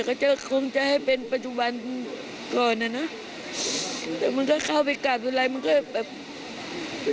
แต่ก็จะคงจะให้เป็นปัจจุบันก่อนแต่มันก็เข้าไปกลับส่วนไรมันก็อดไม่ได้